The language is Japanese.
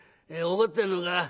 怒ってんのか？